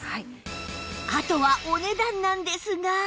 あとはお値段なんですが